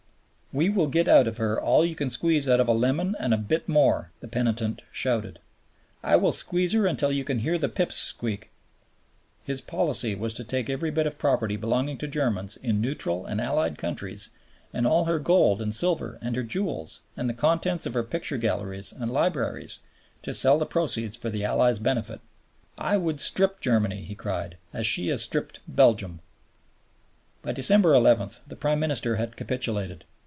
"We will get out of her all you can squeeze out of a lemon and a bit more," the penitent shouted, "I will squeeze her until you can hear the pips squeak"; his policy was to take every bit of property belonging to Germans in neutral and Allied countries, and all her gold and silver and her jewels, and the contents of her picture galleries and libraries, to sell the proceeds for the Allies' benefit. "I would strip Germany," he cried, "as she has stripped Belgium." By December 11 the Prime Minister had capitulated.